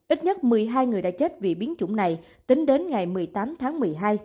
ít nhất một mươi hai người đã chết vì biến chủng này tính đến ngày một mươi tám tháng một mươi hai